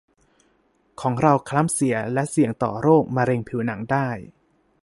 ของเราคล้ำเสียและเสี่ยงต่อโรคมะเร็งผิวหนังได้